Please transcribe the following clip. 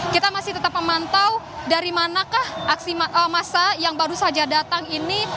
kita masih tetap memantau dari manakah aksi massa yang baru saja datang ini